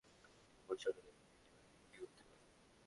তিনি মোট সৈন্যদেরকে তিনটি বাহিনীতে বিভক্ত করেন।